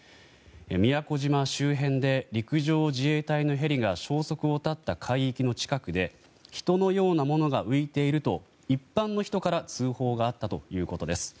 宮古島周辺で陸上自衛隊のヘリが消息を絶った海域の近くで人のようなものが浮いていると一般の人から通報があったということです。